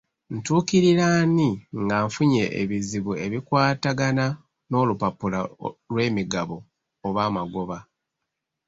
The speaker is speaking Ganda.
Ntuukirira ani nga nfunye ebizibu ebikwatagana n'olupapula lw'emigabo oba amagoba?